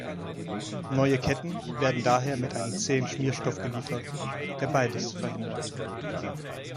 Neue Ketten werden daher mit einem zähen Schmierstoff geliefert, der beides verhindert.